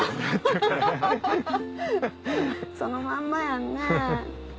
そのまんまやんね。